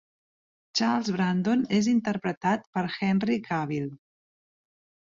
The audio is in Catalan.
Charles Brandon és interpretat per Henry Cavill.